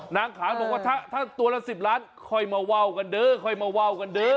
นางขานบอกว่าถ้าตัวละ๑๐ล้านค่อยมาว่าวกันเด้อค่อยมาว่าวกันเด้อ